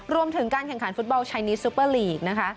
รวมถึงการแข่งขันฟุตบอลชายนิดซุปเปอร์ลีกนะคะ